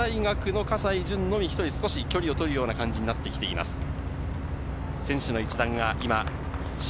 今、創価大学の葛西潤のみ１人距離を取るような感じになってきています。